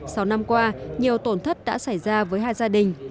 sau năm qua nhiều tổn thất đã xảy ra với hai gia đình